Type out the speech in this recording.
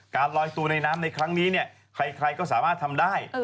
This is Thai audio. ลอยตัวในน้ำในครั้งนี้เนี่ยใครก็สามารถทำได้